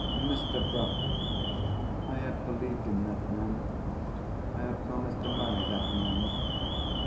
"Mr. Bruff! I have believed in that man. I have promised to marry that man.